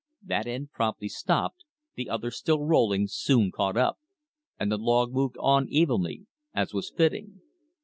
That end promptly stopped; the other, still rolling, soon caught up; and the log moved on evenly, as was fitting.